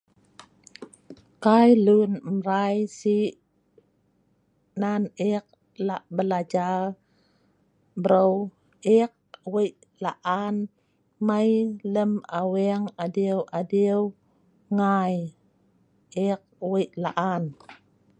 Kai Lun mrai si nan ek Lak belajar breu, ek wei' laan Mai lem aweng adiu-adiu ngai, ek wei' laan